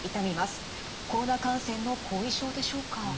コロナ感染の後遺症でしょうか？